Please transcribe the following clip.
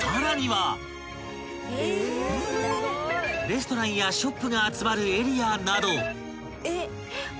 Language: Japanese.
［レストランやショップが集まるエリアなど］